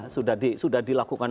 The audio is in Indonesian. sudah sudah dilakukan